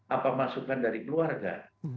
apa masukan dari keluarga